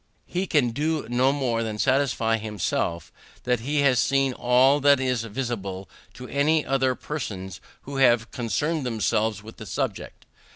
He can do no more than satisfy himself that he has seen all that is visible to any other persons who have concerned themselves with the subject.